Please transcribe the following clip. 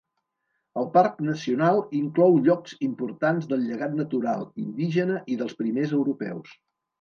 El parc nacional inclou llocs importants del llegat natural, indígena i dels primers europeus.